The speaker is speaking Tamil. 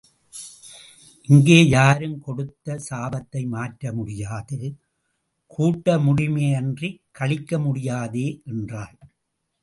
இங்கே யாரும் கொடுத்த சாபத்தை மாற்ற முடியாது, கூட்ட முடியுமேயன்றிக் கழிக்க முடியாதே என்றாள்.